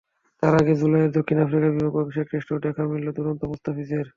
তার আগে জুলাইয়ে দক্ষিণ আফ্রিকার বিপক্ষে অভিষেক টেস্টেও দেখা মিলল দুরন্ত মুস্তাফিজের।